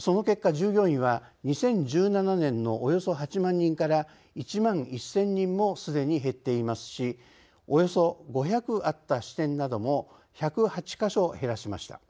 その結果従業員は２０１７年のおよそ８万人から１万１，０００人もすでに減っていますしおよそ５００あった支店なども１０８か所減らしました。